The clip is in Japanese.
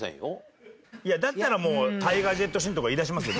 いやだったらもうタイガー・ジェット・シンとか言いだしますよ